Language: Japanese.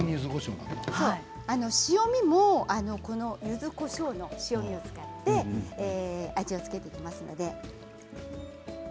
塩みもゆずこしょうの塩みを使って味を付けていきます。